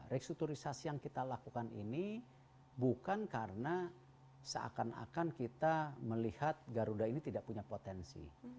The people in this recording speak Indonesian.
restrukturisasi yang kita lakukan ini bukan karena seakan akan kita melihat garuda ini tidak punya potensi